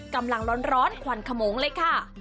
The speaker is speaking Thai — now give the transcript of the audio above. กำลังร้อนควันขโมงเลยค่ะ